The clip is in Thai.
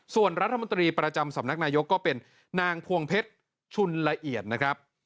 ส่วนรัฐมนตรีประจำสำนักนายกก็เป็นนางพวงเพชรชุนละเอียดนะครับ